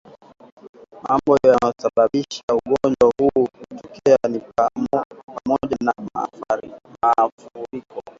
Mambo yanayosababisha ugonjwa huu kutokea ni pamoja na maafuriko